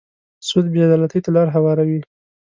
سود بې عدالتۍ ته لاره هواروي.